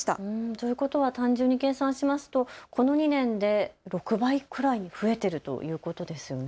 ということは単純に計算しますとこの２年で６倍くらい増えているということですよね。